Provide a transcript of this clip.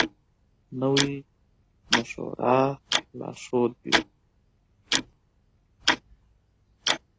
نوی مشوره لارښود وي